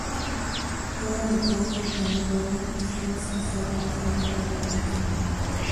Toda la "Carta a Eduarda" está expresada de forma irónica.